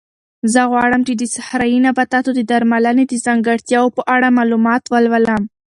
زه غواړم چې د صحرایي نباتاتو د درملنې د ځانګړتیاوو په اړه معلومات ولولم.